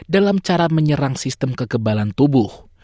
dalam cara menyerang sistem kekebalan tubuh